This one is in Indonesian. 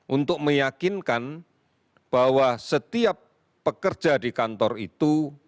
untuk meyakinkan bahwa setiap pekerja di kantor itu